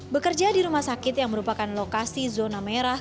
bekerja di rumah sakit yang merupakan lokasi zona merah